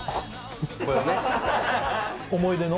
思い出の？